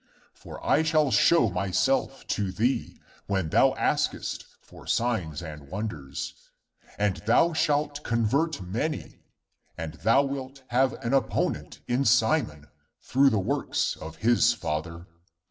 For I shall show myself unto thee, when thou askest for signs and wonders, and thou shalt ACTS OF PETER 83 convert many, but thou wilt have an opponent in Simon through the works of his father.